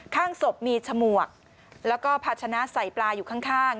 ข้างศพมีฉมวกแล้วก็ภาชนะใส่ปลาอยู่ข้าง